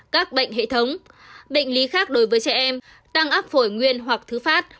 các bệnh hệ thống bệnh lý khác đối với trẻ em tăng áp phổi nguyên hoặc thứ phát